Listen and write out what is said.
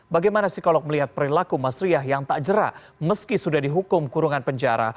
bagaimana psikolog melihat perilaku mas riah yang tak jerah meski sudah dihukum kurungan penjara